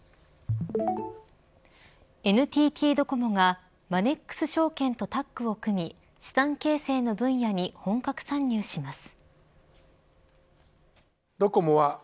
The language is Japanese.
ＮＴＴドコモがマネックス証券とタッグを組み資産形成の分野に本格参入します。